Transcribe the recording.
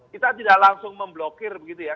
kita tidak langsung memblokir begitu ya